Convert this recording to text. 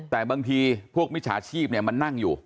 แต่บางทีพวกมิจฉาชีพมันนั่งอยู่